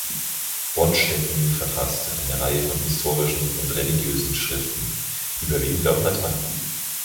Bonstetten verfasste eine Reihe von historischen und religiösen Schriften, überwiegend auf Latein.